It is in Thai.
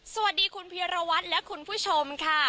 สวัสดีคุณพีรวัตรและคุณผู้ชมค่ะ